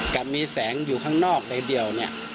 กับมีแสงอยู่ข้างนอกเลยทีเดียวเนี่ย